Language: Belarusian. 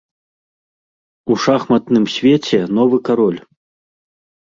У шахматным свеце новы кароль.